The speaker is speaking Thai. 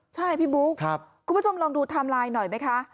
ใช่พี่บุ๊คคุณผู้ชมลองดูไทม์ไลน์หน่อยไหมคะ